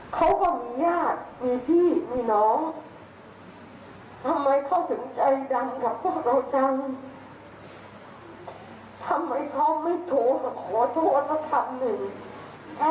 น้องผมผิดไปแล้วน้องชั้นผิดไปแล้วเขาสูญเสียลูกเขาหรือเสียน้องเขาเป็นยังไง